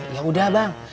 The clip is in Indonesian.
ya udah bang